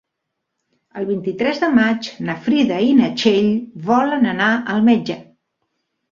El vint-i-tres de maig na Frida i na Txell volen anar al metge.